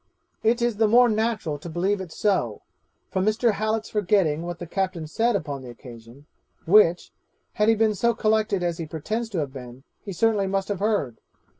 'It is the more natural to believe it is so, from Mr. Hallet's forgetting what the captain said upon the occasion, which, had he been so collected as he pretends to have been, he certainly must have heard.